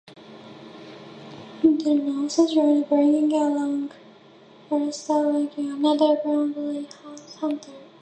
DeLuna also joined, bringing along Callista Larkadia, another bounty hunter.